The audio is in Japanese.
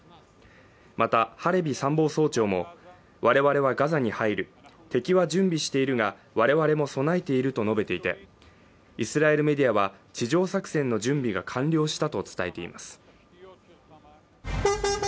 またハレビ参謀総長も我々はガザに入る、敵は準備しているが我々も備えていると述べていて、イスラエルメディアは地上作戦の準備が完了したと伝えています。